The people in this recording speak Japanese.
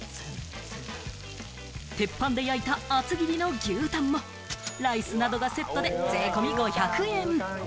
鉄板で焼いた厚切りの牛タンもライスなどがセットで税込み５００円！